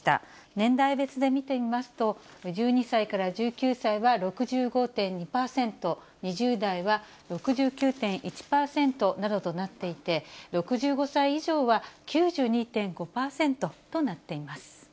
年代別で見てみますと、１２歳から１９歳は６５．２％、２０代は６９．１％などとなっていて、６５歳以上は９２．５％となっています。